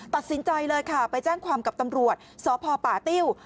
ตัดสินใจเลยค่ะไปแจ้งความกับตำรวจสพป่าติ้ว